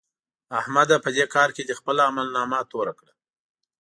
احمده! په دې کار دې خپله عملنامه توره کړه.